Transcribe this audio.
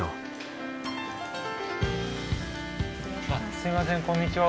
すいませんこんにちは。